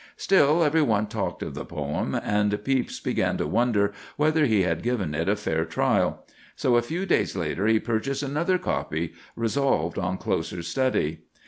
Still every one talked of the poem, and Pepys began to wonder whether he had given it a fair trial. So a few days later he purchased another copy, resolved on closer study.